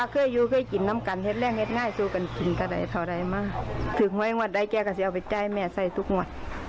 ก่อนจากรอบเขาเลิกกันไปแล้ว